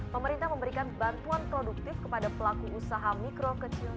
pemerintah memberikan bantuan produktif kepada pelaku usaha mikro kecil